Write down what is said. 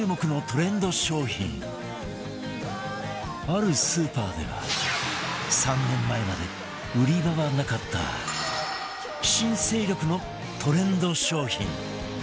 あるスーパーでは３年前まで売り場がなかった新勢力のトレンド商品